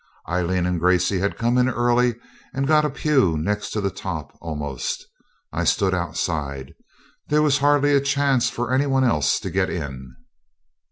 Aileen and Gracey had come in early and got a pew next to the top almost. I stood outside. There was hardly a chance for any one else to get in.